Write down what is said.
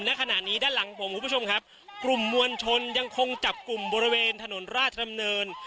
ณขณะนี้ด้านหลังผมคุณผู้ชมครับกลุ่มมวลชนยังคงจับกลุ่มบริเวณถนนราชดำเนิน